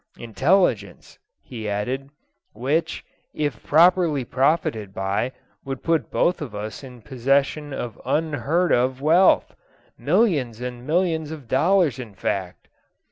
'Intelligence,' he added, 'which, if properly profited by, would put both of us in possession of unheard of wealth millions and millions of dollars in fact.'